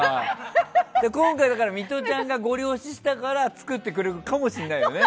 今回はミトちゃんがごり押ししたから作ってくれるかもしれないのね？